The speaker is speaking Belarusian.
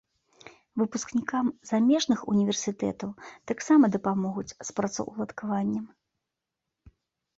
Выпускнікам замежных універсітэтаў таксама дапамогуць з працаўладкаваннем.